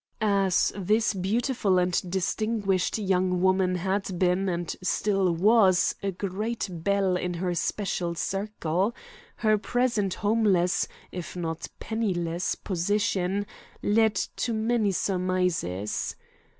As this beautiful and distinguished young woman had been and still was a great belle in her special circle, her present homeless, if not penniless, position led to many surmises.